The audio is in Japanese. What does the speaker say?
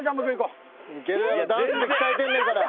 いけるやろダンスで鍛えてんねんから。